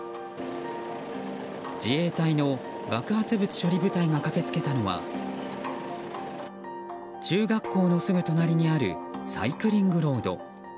自衛隊の爆発物処理部隊が駆け付けたのは中学校のすぐ隣にあるサイクリングロード。